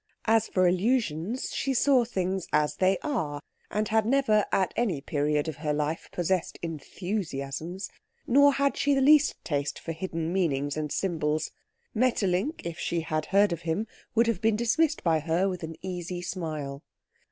As for illusions, she saw things as they are, and had never at any period of her life possessed enthusiasms. Nor had she the least taste for hidden meanings and symbols. Maeterlinck, if she had heard of him, would have been dismissed by her with an easy smile.